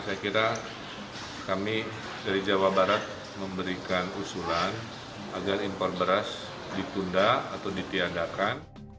saya kira kami dari jawa barat memberikan usulan agar impor beras ditunda atau ditiadakan